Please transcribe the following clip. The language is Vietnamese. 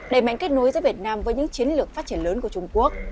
đẩy mạnh kết nối giữa việt nam với những chiến lược phát triển lớn của trung quốc